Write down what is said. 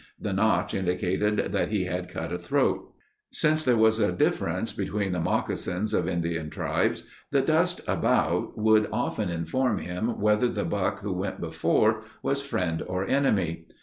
The notch indicated that he had cut a throat. Since there was a difference between the moccasins of Indian tribes, the dust about would often inform him whether the buck who went before was friend or enemy.